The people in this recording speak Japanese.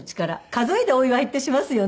数えでお祝いってしますよね？